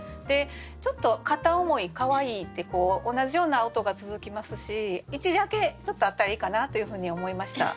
ちょっと「片思い」「可愛い」って同じような音が続きますし一字空けちょっとあったらいいかなというふうに思いました。